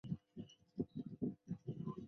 但资料传输率比蓝牙高。